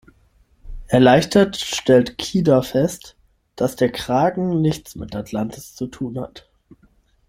Erleichtert stellt Kida fest, dass der Kraken nichts mit Atlantis zu tun hat.